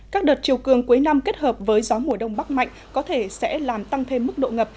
các đợt chiều cường cuối năm kết hợp với gió mùa đông bắc mạnh có thể sẽ làm tăng thêm mức độ ngập